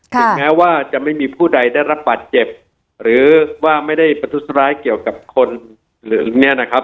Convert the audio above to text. ถึงแม้ว่าจะไม่มีผู้ใดได้รับบาดเจ็บหรือว่าไม่ได้ประทุษร้ายเกี่ยวกับคนหรือเนี่ยนะครับ